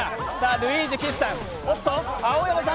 ルイージ、岸さん。